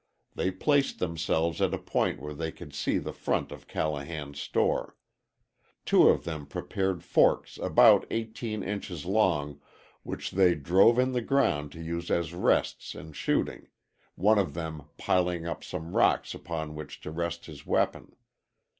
They placed themselves at a point where they could see the front of Callahan's store. Two of them prepared forks about 18 inches long, which they drove in the ground to use as rests in shooting, one of them piling up some rocks upon which to rest his weapon.